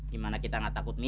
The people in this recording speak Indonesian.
dimana kita gak takut